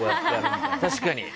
確かに。